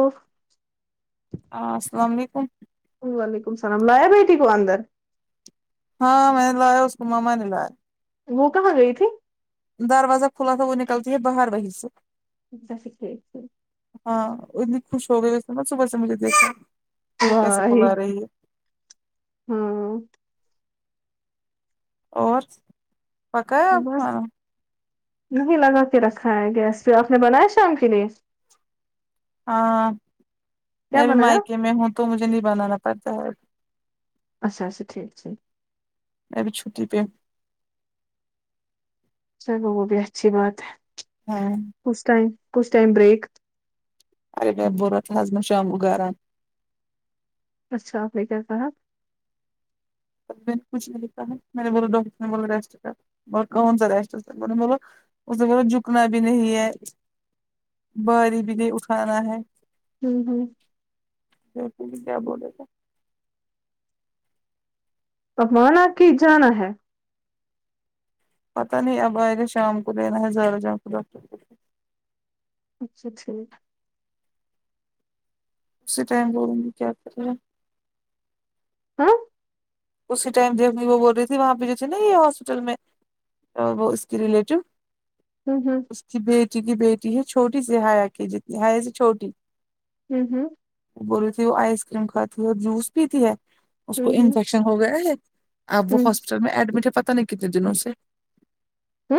اوف ا اسلام علیکم وعلیکم اسلام لایا بیٹی کواندر ہاں میں نے لایا اس کو ماما نے لایا وہ کہاں گئی تھی دروازہ کھلا تھا وہ نکلتی ہے باہر وہیں سے [unintelligible] ہاں اتنی خوش ہو گئی ویسے نہ صبح سے مجھے دیکھا یہ کیسے بلا رہی ہے ہوں اور پکایا آپ بس کھانا نہیں لگا کے رکھا ہے گیس پہ آپ نے بنایا شام کے لیے ہاں کیا میں بھی بنایا مائکے میں ہوں تو مجھے نہیں بنانا پڑتا ہے اچھا اچھا ٹھیک ٹھیک ابھی چھٹی پہ ہوں چلو وہ بھی اچھی بات ہے ہاں کچھ ٹائم کچھ ٹائم بریک ارے بائی اب بول رہا تھا اج میں شام کو گھر آو اچھا آپ نے کیا کہا اب کچھ نی ہوتا ہے میں نے بولا ڈاکٹر نے بولا ریسٹ کر کونسا ریسٹ مینے بولا اس نے بولا جھکنا بھی نہیں ہے باری بھی نہیں اٹھانا ہے ہوں ہوں کیا بولے گا پمانا کی جانا ہے پتا نہیں اب آئے گا شام کو لینا ہے زارہ جان خدا [unintelligible] اچھا ٹھیک اسی ٹائم کو بولو مجھے کیا کرے ہے ہاں اسی ٹائم جب بھی وہ بول رہی تھی وہاں پہ جو تھے نہ یہ ہاسپٹل میں اور وہ اس کی ریلیٹو ہم ہم اس کی بیٹی کی بیٹی ہے چھوٹی سے ہایا کی جتی ہایا سے چھوٹی ہم ہم بولی تھی وہ آئس کریم کھاتی ہے اور جوس پیتی ہے اس کو ہوں ہوں فیشن ہو گیا ہے اب وہ ہوں ہاسپٹل میں ایڈمٹ ہے پتہ نہیں کتنے دنوں سے ہم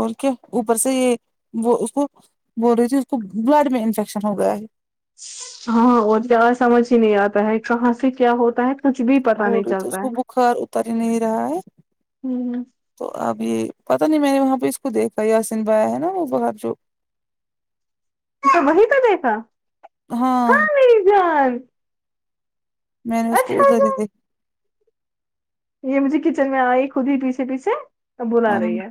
اور کیا اوپر سے یہ وہ اس کو بول رہی تھی اس کو بلڈ میں انفیکشن ہو گیا ہے ہاں وہ زیادہ سمجھ ہی نہیں آتا ہے کہاں سے کیا ہوتا ہے کچھ بھی پتا بول نہیں رہے تھے اس چلتا کو ہے بخار اتر ہی نہیں رہا ہے ہوں تو اب یہ پتا نہیں میں نے وہاں پہ اس کو دیکھا احسن بھای ہے نا وہ باہر جو تو وہی تو دیکھا ہاں میری جان میں نے اسکو اچھا ادر ہی جان، دی یہ مجھے کچن میں آئی خود ہی پیچھے پیچھے اب بلا ہاں رہی ہے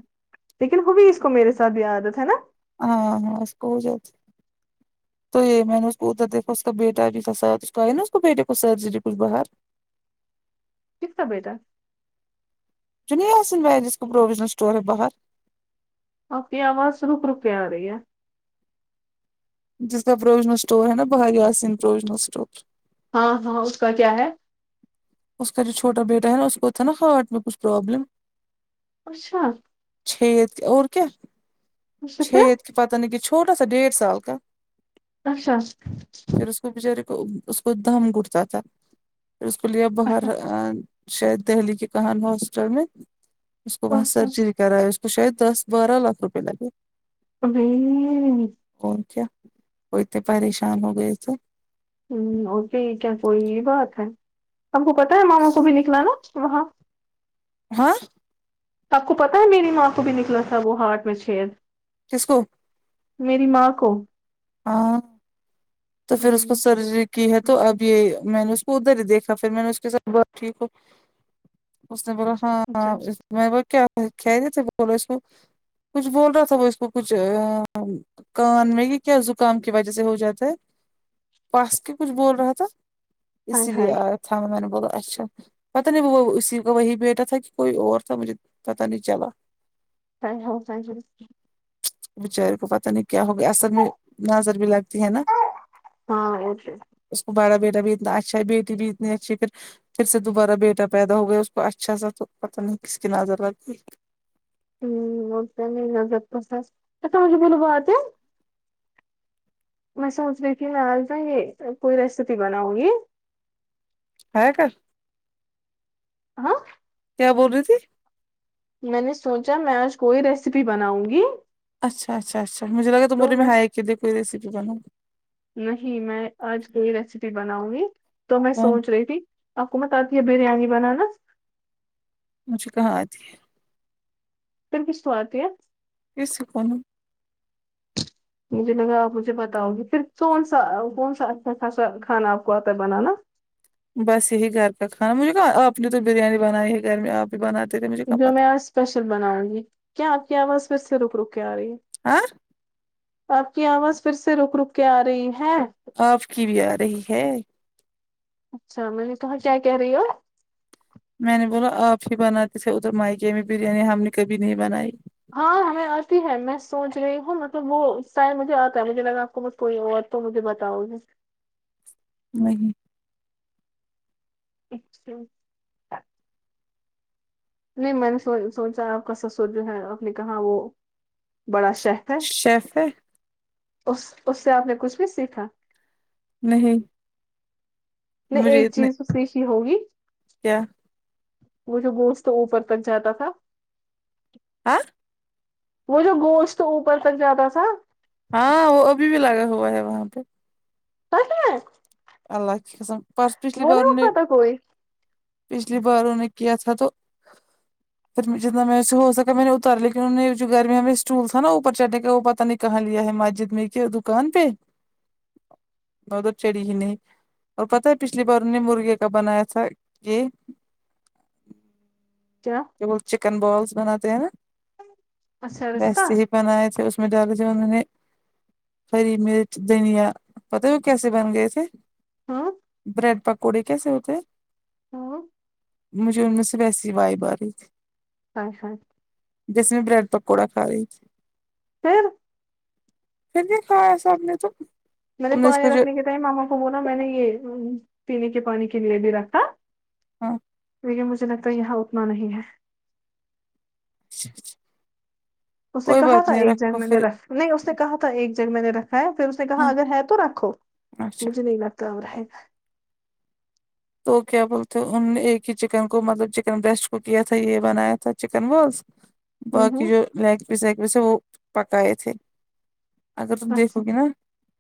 لیکن وہ بھی اس کو میرے ساتھ یہ عادت ہے نا ہاں ہاں اس کووچ تو یہ میں نے اس کو ادھر دیکھا اس کا بیٹا جی تھا سات اس کو آیا نا اس کو بیٹے کو سرجری کچھ باہر کسکا بیٹا [unintelligible] آپنی آواز روک روکے آ رہی ہے جس کا پروجنل اسٹور ہے نا با آسین پروجنل اسٹور ہاں ہاں اس کا کیا ہے اس کرجو چوٹا بیٹا ہے نہ اس کو تھا نا ہاٹ میں کچ پرابلم اچھا چھید اور کیا اس چھید پھر کہ پتہ نہیں کہ چھوٹا سا ڈیڑھ سال کا اچھا پھر اس کو بچارے کو اس کو دم گھٹتا تھا پھر اس کو لیا باہر آ شاید دہلی کے کہانی ہاسپٹل میں اس کو وہاں سرجری کرائے اس کو شاید دس بارہ لاک روپئے لگے ہممم اور کیا وہ اتے پریشان ہو گئے تھے ہمم اور بھی کیا کوئی بات ہے ہم کو پتا ہے ماما کو بھی نکلا نا وہاں ہاں آپ کو پتا ہے میری ماں کو بھی نکلا تھا وہ ہاٹ میں چھید کس کو میری ماں کو ہاں تو پھر اس کو سرجری کی ہے تو اب یہ میں نے ادھر ہی دیکھا پھر میں نے اس کے ساتھ بہت ٹھیک ہو اس نے بولا اچھا ہاں مے وہ کیا کہہ رہے تھے بولو اس کو کچھ بول رہا تھا وہ اس کو کچھ کان میں کہ کیا زکام کی وجہ سے ہو جاتا ہے پاس کے کچھ بول رہا تھا ہائے اسی لیے ہائے آیا تھا میں نے بولا اچھا پتا نہیں وہ اسی کا وہی بیٹا تھا کہ کوئی اور تھا مجھے پتا نہیں چلا [unintelligible] بچارے کو پتا نہیں کیا ہوگیا اصل میں نظر بھی لگتی ہے نا ہاں اوکے اس کو بڑا بیٹا بھی اتنا اچھا ہے بیٹی بھی اتنی اچھی ہے پھر پھر سے دوبارہ بیٹا پیدا ہو گیا اس کو اچھا سا تو پتا نہیں کس کی نظر لگ گئی ہ وہ تو ہے نظر تو ہے [unintelligible] میں سوچ رہی تھی اج نہ کوئی ریسپی بناؤں گی ہے کر ہاں کیا بول رہی تھی میں نے سوچا میں آج کوئی ریسیپی بناؤں گی اچھا اچھا اچھا مجھے لگا تم بول رہی میں ہا ایک کے لیے کوئیی ریسیپی بناو نہیں میں آج کوئی ریسیپی بناؤں گی تو میں کون سوچ رہی تھی آپ کو مت آتی ہے بریانی بنانا مجھے کہاں آتی ہے پھر کس کو اتی ہے کسی کو نہیں مجھے لگا آپ مجھے بتاؤ گے پھر کون سا کون سا اچھا خاصا کھانا آپ کو آتا ہے بنانا بس یہی گھر کا کھانا مجھے کہا آپ نے تو بریانی بنائی ہے گھر میں آپ بناتے کہاں جو میں پتہ آج اسپیشل بناؤں گی کیا آپ کی آواز پھر سے رک رک کے آ رہی ہے آ آپ کی آواز پھر سے رک رک کے آ رہی ہے آپ کی بھی آ رہی ہے اچھا میں نے کہا کیا کہہ رہی ہو میں نے بولا آپ ہی بناتے تھے ادھر میکے میں بریانی ہم نے کبھی نہیں بنائی ہاں ہمیں آتی ہے میں سوچ رہی ہوں مطلب وہ شاید مجھے آتا ہے مجھے لگا آپ کو کوئی اور تو مجھے بتاؤ گی نہیں اچھا نہیں میں نے سو سوچا آپ کا سسر جو ہے آپ نے کہا وہ بڑا شہ شئف ہے اس اس سے آپ نے کچھ بھی سیکھا نہیں نہیں مجھے ایک اتنے چیز سیکھی ہوگی کیا وه جو گوشت تو اوپر تک جاتا تھا ہاں وہ جو گوشت تو اوپر تک جاتا تھا ہاں وہ ابھی بھی لگا ہوا ہے وہاں پہ پتا ہے اللہ کے کسم پس پچھلی بار میں اٹھاتا کوئی پچھلی بار انہو نے کیا تھا تو پھر جتنا میں اس سے ہو سکا میں نے اتارا کیونکہ نے جو گھرمی میں ہمیں اسٹول تھا نا اوپر چڑھنے کا وہ پتا نہیں کہاں لیا ہے مسجد میں کہ دکان پہ دونوں چڑی ہی نہیں اور پتہ ہے پچھلی بار انہوں نے مرغے کا بنایا تھا یہ کیا وہ چکن بالس بناتے ہیں نا اچھا رشتہ بس یہی بنائے تھے اس میں ڈالے تھے انہوں نے ہری مرچ دھنیا پتا ہے وہ کیسے بن گئے تھے ہاں بریڈ پکوڑی کیسے ہوتے ہے ہوں مجھے ان میں سے ویسے ہی وایب آرہی تھی اچھا جس میں بریڈ پکوڑا کھا رہی تھی پھر پھر نہیں کہا سب نے تو میں نے ہم اس پانی کو جو رکھنے کے ٹائم ماما کو بولا میں نے یہ پینے کے پانی کے لیے بھی رکھا ہاں دیکھیے مجھے لگتا ہے یہاں اتنا نہیں ہے اچھا اچھا اس نے کہا تھا ایک جنگ رکھو میں نے پھر رکھ نہیں اس نے کہا تھا ایک جگ میں نے رکھا ہے پھر اس نے کہا ہاں، اگر ہے تو رکھو اچھا مجھے نہیں رکھتا گا ہے تو کیا بولتے ان نے ایک ہی چکن کو مطلب چکن بریسٹ کو کیا تھا یہ بنایا تھا چکن بالز ہوں باقی ہوں جو لیگ پیس ویگ پیس ہے وہ پکائے تھے اگر تم اچھا دیکھو گی نا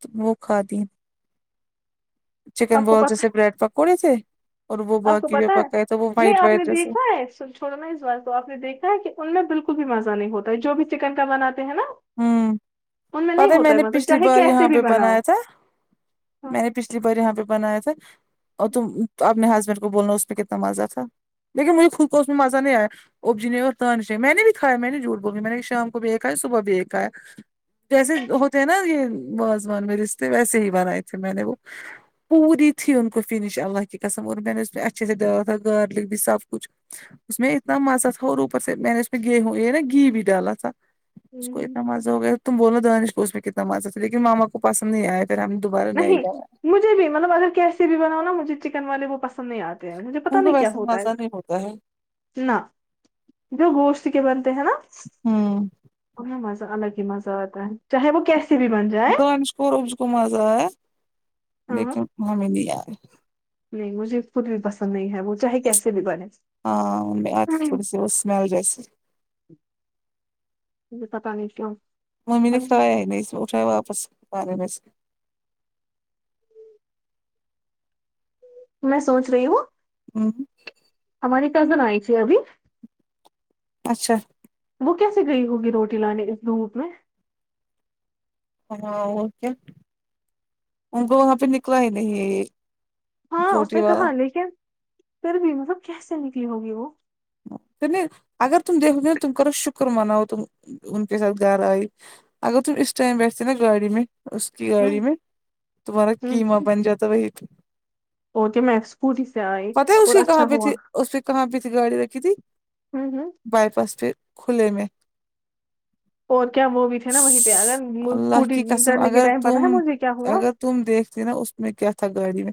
تو وہ کھاتی چکن آپ کو بلز پتا جیسے بریڈ پکوڑے تھے اور وہ آپ کو باقی جو پتا پکاے تھے وہ وائٹ وائٹ جیسے چوڑو میں اس بات تو آپ نے دیکھنا ہے کہ ان میں بالکل بھی مزہ نہیں ہوتا ہے جو بھی چکن کا بناتے ہیں نا ہوں ان نہیں پتا ہی میں ہوتا ہے نے مزہ پچھلی چاہے بار یہاں کیسے بھی پہ بناؤ بنایا تھا میں نے پچھلی بار یہاں پہ بنایا تھا اور تم اپنے ہسبینڈ کو بولنا اس میں کتنا مزہ تھا لیکن مجھے خود کو اس میں مزہ نہیں آیا اب جنے اور تانش میں نے بھی کھایا میں نے جھوٹ بولو میں نے شام کو بھی ایک کھایا صبح بھی ایک کھیا جیسے ہوتے ہیں نا یہ وازوان میں رشتے ویسے ہی بنائے تھے میں نے وہ پوری تھی انکو فنش اللہ کی قسم اور میں نے اچھا سے دالا تھا گارلک بھی سب کچھ اس میں اتنا مزہ تھا اور اوپر سے میں نے اس میں گیہوں یہ نا گھی بھی ڈالا تھا اس کو ہاں نماز ہو گیا تم بولو دانش کو اس میں کتنا مزہ تھا لیکن ماما کو پسند نہیں آیا پھرا ہم نے دوبارہ نہیں بنایا مجھے بھی مطلب اگر کیسے بھی بناؤ نا مجھے چکن والے وہ پسند نہیں آتے مجھے پتا ان کو نہیں کیا ویسا ہوتا ہے مزہ نہیں ہوتا ہے نہ جو گوشت کے بنتے ہیں نا ہوں انہیں مزہ الگ ہی مزہ آتا ہے چاہے وہ کیسے بھی بن جائے دانش کو اس کو مزہ آیا ہاں لیکن ہمیں نہیں آیا نہیں مجھے خود بھی پسند نہیں ہے وہ چاہے کیسے بھی بنے ہاں ان میں آ تھوڑا سے سمل جیسی جی پتا نہیں کیو ممی نے کھایا ہے نہیں اس اٹھایا واپس کھانے میں میں سوچ رہی ہوں ہمم ہماریے کزن آئی تھی ابھی اچھا وہ کیسے گئی ہوگی روٹی لانے اس دھوپ میں ہاں وہ کیا ان کو وہاں پہ نکلا ہی نہیں ہاں اس روٹی نے والا کہا لیکن پھر بھی مطلب کیسے نکلی ہوگی وہ اگر تم دیکھو گے نہ تم کرو شکر مناو تم ان کے کے ساتھ گھر آئیے اگر تم ا اس ائم ویسے نا گاڑی میں اس کی گاڑی ہوں میں تمہارا ہوں قیمہ بن جاتا وہی اور کہ میں اسکوٹی سے آئی پتا ہے اس اور کی اچھا کہاں پہ ہوا تھی اس پہ کہاں پہ تھی گاڑی ر تھی ہوں ہوں بائی پاس پہ کھلے میں اور کیا وہ بھی تھے نا وہیں پہ اگر اللہ اسکوٹی کی قسم کرنے کے اگر ٹائم پتاہ ہے تم مجھے کیا ہوا اگر تم دیکھتی نا اس میں کیا تھا گاڑی میں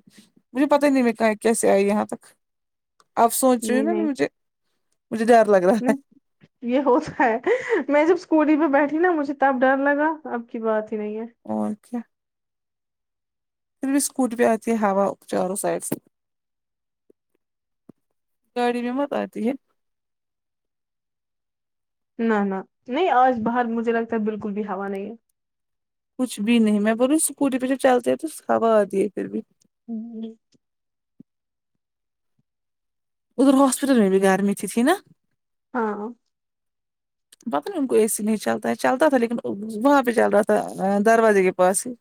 مجھے پتا ہی نہیں میں کہ کیسے آئی یہاں تک اپ سونچ رہی ہو نہیں نا نہیں مجھے مجھے ڈر لگ رہا ہے نہیں، یہ ہوتا ہے میں جب اسکوٹی پہ بیٹھی نا مجھے تب ڈر لگا اب کی بات ہی نہیں ہے اور کیا پھر بھی اسکوٹی پہ آتی ہے ہوا چاروں سائڈ سے گاڑی بھی مت آتی ہے نہ نہ نہیں آج باہر مجھے لگتا ہے بالکل بھی ہوا نہیں ہے کچھ بھی نہیں میں بولوں اسکوٹی پہ جب چلتے ہیں تو ہا آتی ہے پھر بھی ہمم ادھر ہاسپٹل میں بھی گھر میں تھی تھی نا ہاں پتا نہیں ان کو اے سی نہیں چلتا ہے چلتا تھا لیکن وہاں پہ چل رہا تھا دروازے کے پاس ہی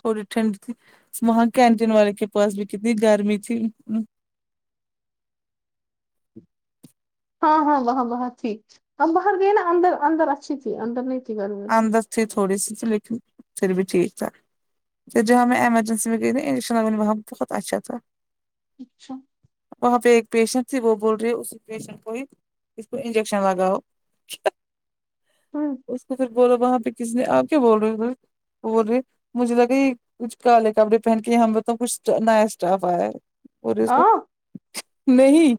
تھوڑی ٹھنڈ تھی وہاں کینٹین والے کے پاس بھی کتنی گرمی تھی ہاں ہاں وہاں وہاں تھی اب باہر گئے نا اندر اندر اچھی تھی اندر نہیں تھی گرمی اتنی اندر تھی تھوڑی سی تو لیکن پھر بھی ٹھیک تھا جاں میں ایمجنسی میں گئی نا انشاء اللہ وہاں ہم بہت اشا تھا اچھا وہاں پہ ایک پیشنٹ تھی وہ بول رہی ہے اسی پیشنٹ کو ہی اس کو انجیکشن لگاؤ ہاں اس کو پھر بولو وہاں پہ کس نے آپ کیا بول رہے ہو ادھر بول رہے مجھے لگا یہ کچھ کالے کپڑے پہن کے ہم تو کچھ نیا اسٹاف آیا ہے اور آ نہیں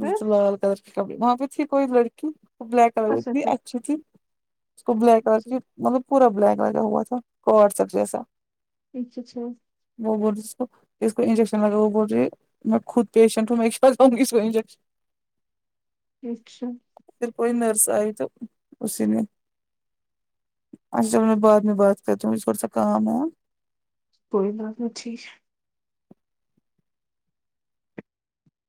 مے پھر تو لال کلر وہاں پہ تھی کوئی لڑکی وہ بلیک کلر میں اچھا اتنی پھر اچھی تھی اس کو بلیک اور اچھا کی مطلب پورا بلیک لگا ہوا تھا واٹسپ جیسا اچھا اچھا وہ بول رہی اس کو اس کو انجیکشن لگاو بول رہی میں خود پیشٹ ہوں میں کہاں لاوگی اسکو انجیکشن اچھا پھر کوئی نرس آئی تو اسی نے اچھا چلو میں بعد میں بات کرتی ہوں مجھے تھوڑا سا کام ہے کوئی بات نہیں ٹھیک